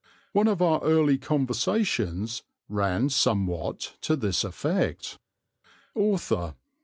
One of our early conversations ran somewhat to this effect: _Author.